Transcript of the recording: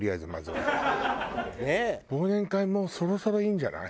忘年会もうそろそろいいんじゃない？